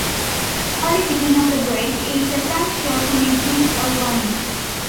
Early picking of the grape is essential for making a wine.